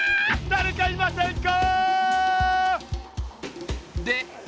だれかいませんか？